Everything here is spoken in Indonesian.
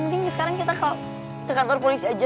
mending sekarang kita ke kantor polisi aja